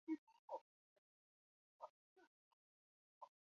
他通过与欧洲大国签署贸易协定巩固了自己的权力。